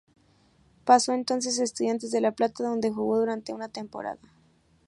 Pasó entonces a Estudiantes de La Plata, donde jugó durante una temporada.